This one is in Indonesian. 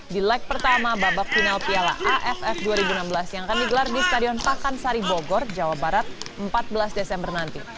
di leg pertama babak final piala aff dua ribu enam belas yang akan digelar di stadion pakansari bogor jawa barat empat belas desember nanti